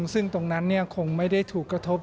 ซึ่งตรงนั้นคงไม่ได้ถูกกระทบ